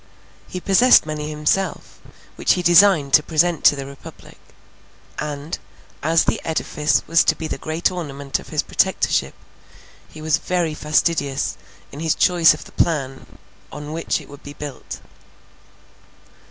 He possessed many himself, which he designed to present to the Republic; and, as the edifice was to be the great ornament of his Protectorship, he was very fastidious in his choice of the plan on which it would be built.